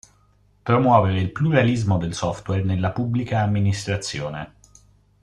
Promuovere il pluralismo del software nella Pubblica Amministrazione.